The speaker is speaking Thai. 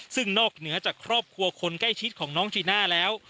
ซึ่งนอกเหนือจากครอบครัวคนใกล้ชิดของน้องจีน่าแล้ว